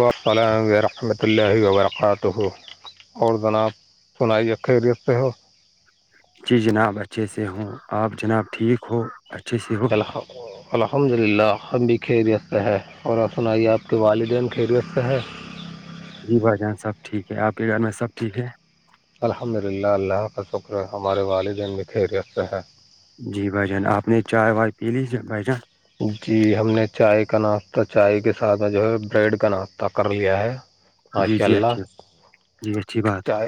وسلام ورحمۃ اللہ وبرکاتہ [inaudible] اور جناب سنائی ا خےریست سے ہو [unintelligible] جی جناب اچھے سے ہوں آپ جناب ٹھیک ہو اچھے سے ہو چلحو [inaudible] الحمد للہ ہم بھی خیریت سے ہے اور آ سنائیے آپ کے والدین خیریت سے ہے جی بھائی جان سب ٹھیک ہے آپ کے گھر میں سب ٹھیک ہے الحمد للہ اللہ کا شکر ہمارے والدین میں خیریت سے ہے جی بھ جان آپ نے چائے وائے پی لی بھائی جان جی ہم نے چائے کا ناشتہ چائے کے ساتھ میں جو ہے بریڈ کا ناشتہ کر لیا ہے جی ماشاء جی اللہ اچھی جی اچھی بات چاہ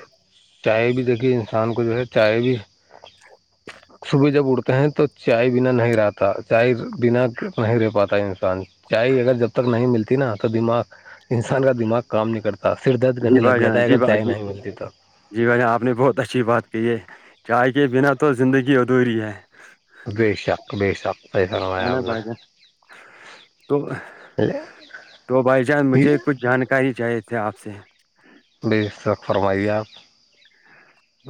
چائے بھی دیکھی انسان کو جو ہے چائے بھی [inaudible] صبح جب اٹتے ہیں تو چائے بنا نہیں رہتا چائے بنا نہیں رہ پاتا انسان چائے اگر جب تک نہیں ملتی نا تو دماغ انسان کا دماغ کام نہیں کرتا پر درد جی رہنے لگ بھائی جاتا جان ہے جی اگر با چائے جی نہیں ملتی تو جی بھن آپ نے بہت اچھی بات کہ ہے چائے کے بنا تو زندگی ادھوری ہے بے شک بےشک جانا با [unintelligible] تو نے تو بھائی جان مجھے کچھ جانکاری چاہیے تھے آپ سے بے شک فرمائیے آپ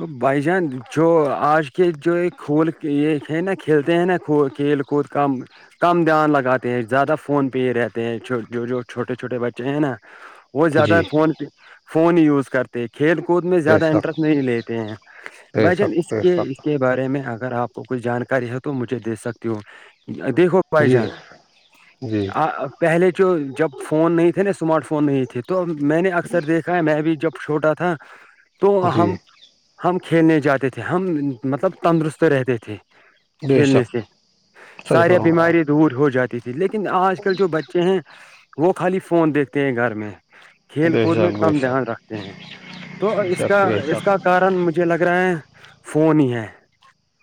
وہ بھائی جان جو آج کے جو کھول یہ ہے نا کھیلتے ہیں نا کھیل کود کم [unintelligible] کم دھیان لگاتے ہیں زیادہ فون پہ ہی رہتے ہیں جو جو چھوٹے چھوٹے بچے ہیں نا وہ زیادہ جی فون پ فون ہی یوز کرتے کھیل کود میں بے زیادہ شک انٹرسٹ نہیں لیتے ہیں بے بھائی جن شک اس بے کے اس شک کے بارے میں اگر آپ کو کوئی جانکاری ہے تو مجھے دے سکتی ہو کہ دیکھو بھائی جی جان جی آ پہلے جو جب فون نہیں تھے نا اسمارٹ فون نہیں تھے تو میں نے اکثر دیکھ میں بھی جب چھوٹا تھا تو جی ہم ہم کھیلنے جاتے تھے ہم مطلب تندرست رہتے تھے بے کھیلنے شک س صحیح ساریے فرمایا بیماری دور ہو جاتی تھی لیکن آج کل جو بچے ہیں وہ خالی فون دیکھتے ہیں گھر میں کھیل بے کود میں شک بے کم دھیان شک رکھتے ہیں تو اس کا شک بے اس شک کا کارن مجھے لگ رہا ہے فون ہی ہے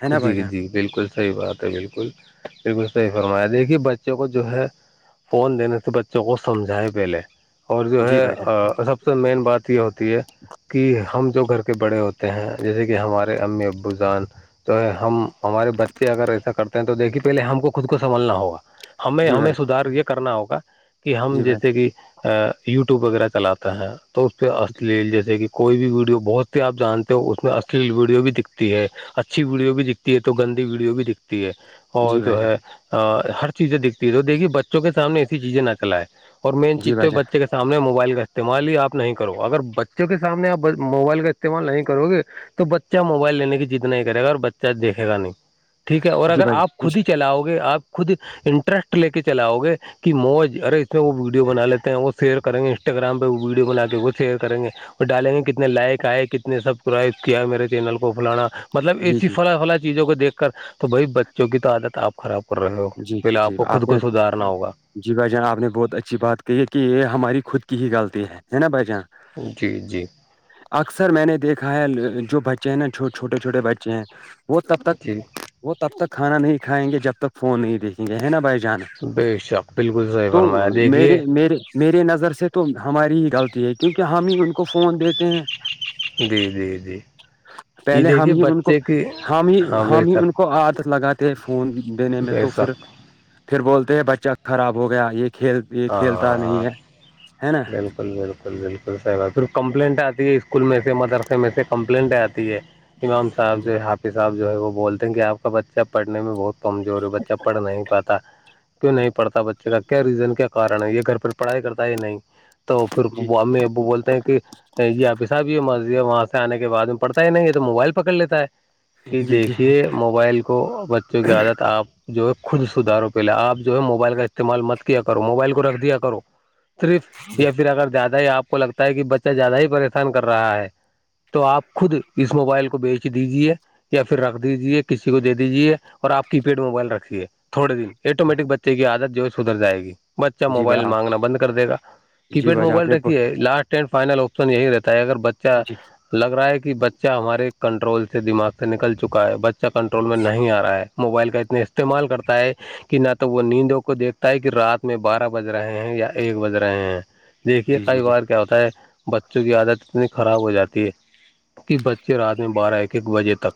ہے نا جی بھائی جان جی بالکل صحیح بات ہے بالکل بالکل صحیح فرمایا دیکھیے بچوں کو جو ہے فون دینے سے بچوں کو سمجھائے پہلے اور جو جی ہے بھائی جان سب سے مین بات یہ ہوتی ہے کہ ہم جو گھر کے بڑے ہوتے ہیں جیسے کہ ہمارے امی ابو جان تو ہمارے بچے اگر ایسا کرتے ہیں تو دیکھیے پہلے ہم کو خود کو سبھنا ہوگا ہمیں جی ہمیں بھائی سدھار یہ کرنا ہوگا کہ ہم جی بھائی جیسے کہ یو ٹیوب وغیرہ چلاتا ہیں تو اس پہ اشلیل جیسے کہ کوئی بھی ویڈیو بہت سی آپ جانتے ہو اس میں اشلیل ویڈیو بھی دکھتی ہے اچھی ویڈیو بھی دکھتی ہے تو گندی ویڈیو بھی دکھتی ہے اور جی بھائی جو جان ہے ہر چیزیں دکھتی ہے دیکے بچوں کے سامنے ایسی چیزیں نہ چلئے اور مین جی چیز بھائی تو جان بچے کے سامنے موبائل کا استعمال ہی آپ نہیں کرو اگر بچوں کے سامنے آپ موبائل کا استعمال نہیں کرو گے تو بچہ موبائل لینے کے جیتنے کرے گا اور بچہ دیکے گا نہیں ٹھیک ہے اور جی اگر بھائی آپ جان خود ہی چلاؤ گے آپ خود انٹرسٹ لے کے چلاؤ گے کہ موج ارے اس میں وہ ویڈیو بنا لیتے ہیں وہ شیئر کریں گے انسٹاگرام پہ وہ ویڈیو بنا کے وہ شیئر کریں گے وہ ڈالیں گے کتنے لائک آئے کتنے سبسکرائب کیا میرے چینل کو فلانا مطلب جی ایسی جی فلاں فلاں چیزوں کو دیکھ کر تو بھائی بچوں کی تو عادت آپ خراب کر رہے ہو جی پل جی آپ جی کو خود کو نے سدارنا ہوگا جی بھ جان آپ نے بہت اچھی بات کہ ہے کہ یہ ہماری خود کی ہی غلطی ہے نا بھ جان جی جی اکثر میں نے دیکھا ہے جو بچے ہیں نا چھوٹے چھوٹے بچے ہیں وہ تب تک جی وہ تب تک کھانا نہیں کھائیں گے جب تک فون نہیں دیکھیں گے ہے نا بھائی جانا بے شک بالکل صحیح فرمایا دیکھیے میے نظر سے تو ہماری ہی غلطی ہے کیونکہ ہم ہی ان کو فون دیتے ہیں جی جی جی جی پہلے ہم دیکھیے ہی ان کو بچے کی ہم ہی ہاں بے ہم ہی ان کو شک کو عادت لگاتے ہیں فون دینے میں بے تو پھر شک پھر بولتے ہیں بچہ خراب ہو گیا یہ کھیل یہ ہاں کھیلتا نہیں ہے ہے نا بال بالکل بالکل صاحب صر کمپلینٹ آتی ہے اسکول میں سے مدرسے میں سے کمپلینٹ آتی ہے ہے امام صاحب جی جو حافظ آب جو ہے وہ بولتے ہیں کہ آپ کا بچہ پڑھنے میں بہت کمزور ہے بچہ پڑھ نہیں پاتا کیوں نہیں پڑتا بچے کا کیا ریزن کیا کارن یہ گھر پ پڑھائی کرتا ہے ہی نہیں تو پھر جی امی ابو بولتے ہیں کہ [unintelligible] یہ آپ صاحب یہ مسضی ہے وہاں سے آنے کے بعد میں پڑتا ہے نہیں یہ تو موبائل پکڑ لیتا ہے کہ جی جی دیکھیے موبائل کو بچوں کی عادت آپ جو ہے خود سدارو پہلے آپ جو ہے موبائل کا استعمال مت کیا کرو موبائل کو رکھ دیا کرو صرف جی یا پھر اگر زیادہ ہی آپ کو لگتا ہے کہ بچہ زیادہ ہی پریشان کر رہا ہے تو آپ خود اس موبائل کو بیچ دیجیے یا پھر رکھ دیجیے کسی کو دے دیجے اور آپ کی پیڈ موبائل رکھیے تھوڑے دن ایٹومییٹک بچے کی عادت جو ہے سدھر جائے گی بچہ جی بھائی موبائل آپ مانگنا بند کر دے گا کی جی پیڈ بھائی جان آپ موبائل نے رکھی جی ہے لاسٹ ٹین فائنل آپشن یہی رہتا ہے اگر بچہ لگ رہا ہے کہ بچہ ہمارے کنٹرول سے دماغ سے نکل چکا ہے بچہ کنٹرول میں نہیں آ رہا ہے موبائل کا اتنا استعمال کرتا ہے کہ نہ تو وہ نیندوں کو دیکھتا ہے کہ رات میں بارہ بج رہے ہیں یا ایک بج رہے ہیں دیکھیے جی جی کئی جی بار کے کیا ہوتا ہے بچوں کی عادت اتنی خراب ہو جاتی ہے کہ بچے رات میں بارہ ایک ایک بجے تک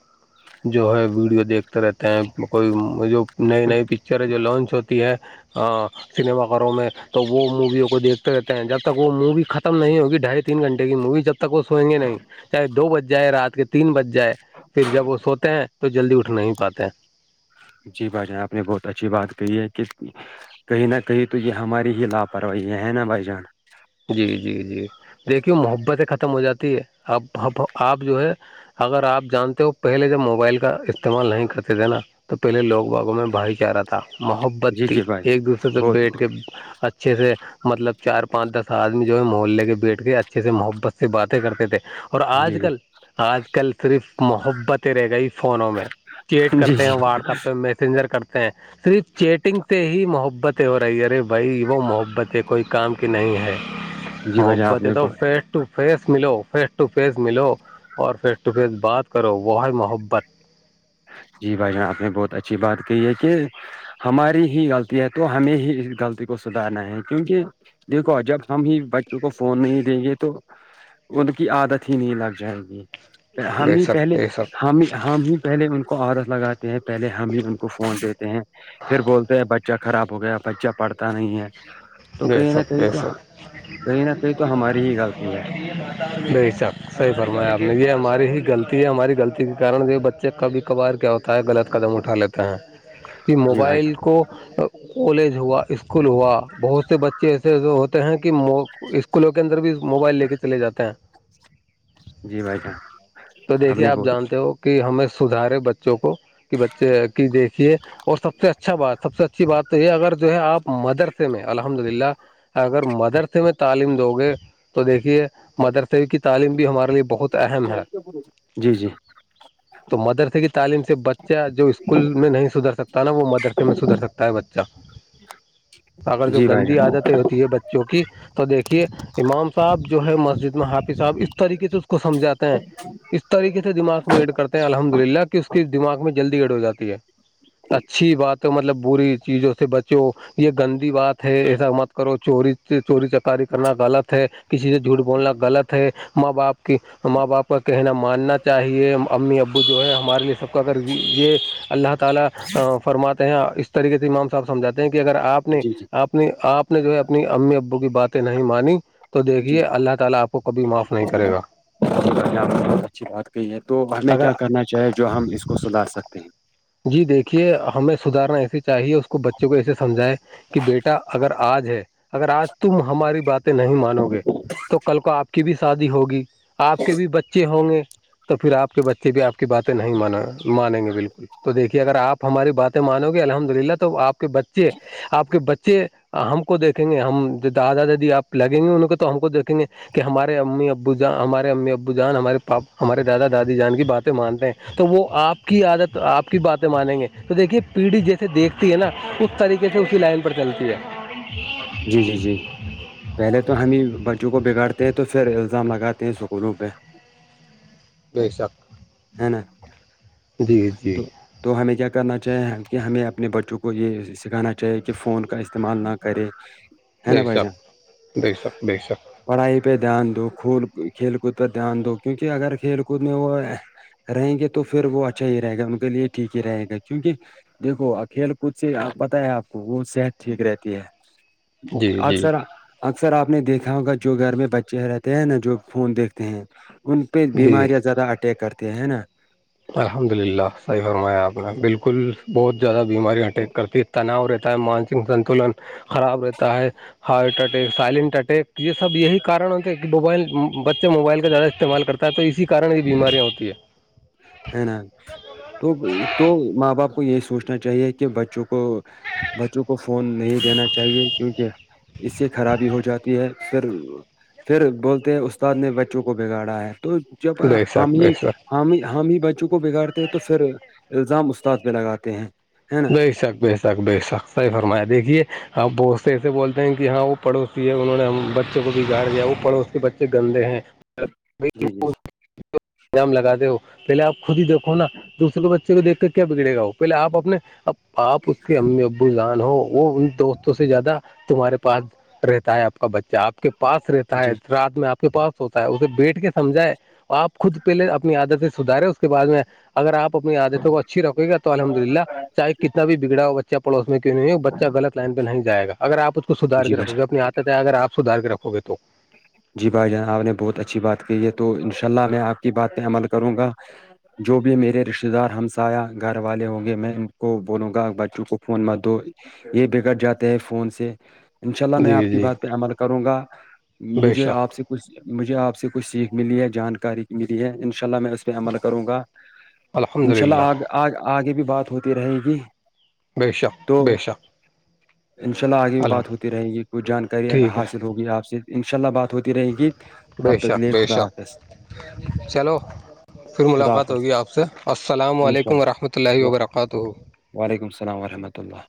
جو ہے ویڈیو دیکھ رہتے ہیں کوئی جو نئی نئی پکچریں جو لانچ ہوتی ہے ہاں سنیما گھروں میں تو وہ موویوں کو دیکھتے رہتے ہیں جب تک وہ مووی ختم نہیں ہوگی ڈھائی تین گھنٹے کی مووی جب تک تک وہ سوئ گے نہیں چاہے دو بج جائے رات کے تو تین بج جائے پھر جب وہ سوتے ہیں تو جلدی اٹھ نہیں پاتے ہیں جی بھ جان آپ نے بہت اچھی بات کہ ہے کہ [unintelligible] کہیں نہ کہیں تو یہ ہماری ہی لاپرواہی ہے ہے نا بھائی جان جی جی جی دیکھیے محبتیں ختم ہو جاتی ہے ابب آپ جو ہے اگر آپ جانتے ہو پہلے جب موبائل کا استعمال نہیں کرتے تھے نا تو پہلے لوگ باغوں میں بھائی کیا رہا تھا [unintelligible] محبت جی تھی جی بھائی ایک دوسرے سے بہت بیٹھ کے اچھے سے مطلب چار پانچ دس آدمی جو ہے محلے کے بیٹھ کے اچھے سے محبت سے باتیں کرتے تھے اور آج جی کل جی آج کل صرف محبتیں رہ گئی فونوں میں چیٹ جی کرتے ہیں جی واٹسپ پہ میسینجر کرتے ہیں صرف چیٹنگ سے ہی محبتیں ہو رہی ہے ارے بھائی وہ محبتیں کوئی کام کی نہیں ہے جی بھائی جان آپ محبت نے تو فیٹ [unintelligible] فیس ٹو فیس ملو فیس ٹو فیس ملو اور فیس ٹو فیس بات کرو وہ ہے محبت جی بھائی جان آپ نے بہت اچھی بات کہ ہے کہ ہماری ہی غلطی ہے تو ہمیں ہی اس غلطی کو سدھارنا ہے کیونکہ دیکھو جب ہم ہی بچپے کو فون نہیں دیں گے تو ان کی عادت ہی نہیں لگ جائے گی ہم بے ہی شک پہلے بے شک ہم ہم ہی پہلے ان کو عورت لگاتے ہیں پہلے ہم ہی ان کو فون دیتے ہیں پھر بولتے ہیں بچہ خراب ہو گیا بچہ پڑھتا نہیں ہے تو بے کہیں نہ شک کہیں بے تو شک کہیں نہ کہیں تو ہماری ہی غلطی ہے ل سپ [unintelligible] صحی فرمایا آپ نے یہ ہماری ہی غلطی ہے ہماری غلطی کے کن یہ بچے کبھی کبھار کیا ہوتے تا ہے غلط قدم اٹھا لیتا ہیں کہ جی بھائی موبائل جان کو کالج ہوا اسکول ہوا بہت سے بچے ایسے ایسے ہوتے ہیں کہ اسکولوں کے اندر بھی موبائل لے کے چلے جاتے ہیں جی بھائی جان تو دیکھیے نے آپ بہت جانتے ہو کہ ہمیں سدھارے بچوں کو کہ بچے کی دیکھیے اور سب سے اچھا بات سب سے اچھی بات تو یہ اگر جو ہے آپ مدرسے میں الحمد للہ اگر مدرسے میں تعلیم دو گے تو دیکھیے مدرسے کی تعلیم بھی ہمارے لیے بہت اہم ہے جی جی تو مدرسے کی تعلیم سے بچہ جو اسکول میں نہیں سدھر سکتا نا وہ مدرسے میں سدھر سکتا ہے بچہ ا اگر جو جی بھائی گندی جان عادتیں ہوتی ہے بچوں کی تو دیکھیے امام صاحب جو ہے مسجد میں حافظ صاحب اس طریقے سے اس کو سمجھاتے ہیں اس طریقے سے دماغ میں ایڈ کرتے ہیں الحمد للہ کہ اس کی دماغ میں جلدی ایڈ ہو جاتی ہے اچھی بات ہے مطلب بری چیزوں سے ب جو یہ گندی بات ہے ایسا مت کرو چور چوری چکاری کرنا غلط ہے کسی سے جھوٹ بولنا غلط ہے ماں باپ کی ماں باپ کا کہنا ماننا چاہیے امی ابو جو ہے ہمارے لیے سب کو اگر یہ اللہ تالا فرماتے ہیں اس طریقے سے امام صاحب سمجھاتے ہیں کہ اگر آپ نے جی جی آپ اپنی آپ نے جو ہے اپنی امی ابو کی باتیں نہیں مانی تو جی دیکھیے اللہ تعالی آپ کو کبھی معاف نہیں کرے گا ب اچھی بات کہی ہے تو ہمیں اگر کیا کرنا چاہے جو ہم اس کو سدار سکتے ہیں جی دیکھیے ہمیں سدارنا ایسے چاہیے اس کو بچے کو ایسے سمجھائے کہ بیٹا اگر آج ہے اگر آج تم ہماری باتیں نہیں مانو گے تو کل کو آپ کی بھی شادی ہوگی آپ کے بھی بچے ہوں گے تو پھر آپ کے بچے بھی آپ کی باتیں نہیں مانیں گے بالکل تو دیکھیے اگر آپ ہماری باتیں مانو گے الحمد للہ تو آپ کے بچے آپ کے بچے ہم کو دیکھیں گے ہم دادا دادی آپ لگیں گے ان کو تو ہم کو دیکھیں گے کہ ہمارے امی ابو جان ہمارے امی ابو جان ہمارے پاپا ہمارے دادا دادی جان کی باتیں مانتے ہیں تو وہ آپ کی عادت آپ کی باتیں مانیں گے تو دیکھیے پیڑھی جیسے دیکھتی ہے نا اس طریقے سے اسی لائن پر چلتی ہے جی جی جی پہلے تو ہم ہی بچوں کو بگاڑتے ہیں تو پھر الزام لگاتے ہیں اسکولوں پہ یہ حساب [unintelligible] جی جی تو تو ہمیں کیا کرنا چاہیں کہ ہمیں اپنے بچوں کو یہ سکھانا چاہیے کہ فون کا استعمال نہ کرے د ہے نا بھائی جان سپ د سک د سخ پڑھائی پہ دھیان دو کھیل کود پہ دھیان دو کیوںکہ اگر کھیل کود میں وہ رہیں گے تو پھر وہ اچھا ہی رہے گا ان کے لیے ٹھیک ہی رہے گا کیونکہ دیکھو کھیل کود سے بتیا آپ کو وہ صحت ٹھیک رہتی ہے جی جی اکثر اکثر آپ نے دیکھا ہوگا جو گھر میں بچے رہتے ہیں نا جو فون دیکھتے ہیں ان پہ جی بیماریاں زیادہ اٹیک کرتی ہیں ہے نا الحمد للہ صحیح فرمایا آپ نے بالکل بہت زیادہ بیماری اٹیک کرتی ہے تناور ہے مانسک سنتلن خراب رہتا ہے ہارٹ اٹیک سائلنٹ اٹیک یہ سب یہی کار کہ موبائل بچے موبائل کا زیادہ استعمال کرتا ہے تو اسی کن یہ بیماریاں ہوتی ہیں ہے نا تو تو ماں باپ کو یہی سوچنا چاہیے کہ بچوں کو بچوں کو فون نہیں دینا چاہیے کیونکہ اس سے خرابی ہو جاتی ہے پھر پھر بولتے ہیں استاد نے بچوں کو بگاڑا ہے تو جب بے ہم شک بے ہی شک ہم ہم ہی بچوں کو بگاڑتے ہیں تو پھر الزام استاد پہ لگاتے ہیں ہے نا ب شاکک بی س بے سختہ ہی فرمایا دیکھیے آپ بہت سے ایسے بولتے ہیں کہ ہاں وہ پڑوسی ہے انہوں نے ہم بچے بچے کو بگاڑ گیا وہ پڑوس کے بچے گندے ہیں- جی جی ام لگاتے ہو پہلے آپ خود ہی دیکھو نا دوسرے کو ب- ے کو دیکھ کر کیا بگڑے گا ہو پہلے آ اپنے اب آپ اس کے امی ابو جان ہو- وہ ان دوستوں سے زیادہ تمہارے پاس رہتا ہے آپ کا بچہ آپ- کے پاس رہتا ہے جی رات میں آپ کے پاس ہوتا ہے اسے بیٹھ کے سمجھائے آپ خود- پہلے اپنی عادتیں سدھارے اس کے بعد میں اگر آپ اپنی عادتوں کو اچھی رکھے گا تو الحمد للہ- کتنا بھی بگڑا بچہ پڑوس میں کیوں نہیں ہے وہ بچہ غط لائنہ نہیں جائے گا اگر آپ اس کو سدار جی کے بھائی جان، رکھوے آت ہے اگر آپ سدھار کے رکھو گے تو- جی بھائی جان آپ نے بہت اچھی بات کی ہے تو ان شاء اللہ میں آپ کی بات پہ عمل کروں گا- جو بھی میرے رشتتے دار ہمسایہ گھر والے ہوں گے میں ان کو بولوں گا بچوں کو فون مت دو- یہ بگڑ جاتا ہے فون سے- انشاء اللہ میں جی آپ کی جی بات پہ عمل کروں گا بے مجھے شک آپ سے- کچھ مجھے آپ سے کچھ سیکھ ملی ہے جانکاری ملی ہے ان شاء اللہ میں اس- پہ عمل کروں گا الحمد ان شاء للہ اللہ آ آگے بھی بات ہوتی رہے گی- بے شک, بے شک انشاء اللہ آگے بھی الحم بات ہوتی رہے گی کوچھ جانکاریں ٹھیک ہے حاصل ہوگی آپ سے انشاء اللہ بات دوتی ر گیت بے تب تک شک لے بے شک خداس- چلو پھر خدا ملاقات حافظ ہوگی آپ سے السلام ان شاء علیکم ورحمۃہ اللہ و وبرکاتہ وعلیکم السلام ورحمۃ اللہ-